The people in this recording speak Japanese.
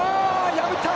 破った。